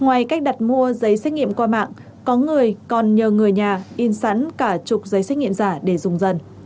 ngoài cách đặt mua giấy xét nghiệm qua mạng có người còn nhờ người nhà in sẵn cả chục giấy xét nghiệm giả để dùng dần